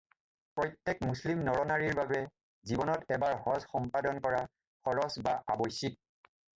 প্ৰত্যেক মুছলিম নৰ-নাৰীৰ বাবে জীৱনত এবাৰ হজ্জ সম্পাদন কৰা ফৰজ বা আৱশ্যিক।